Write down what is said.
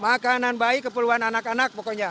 makanan baik keperluan anak anak pokoknya